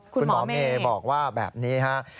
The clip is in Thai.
คุณหมอเมย์บอกว่าแบบนี้ครับ